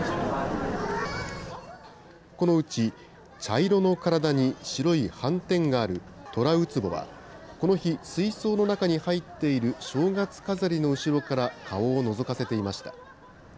このうち茶色の体に白い斑点があるトラウツボは、この日、水槽の中に入っている正月飾りの後ろから顔をのぞかせていました。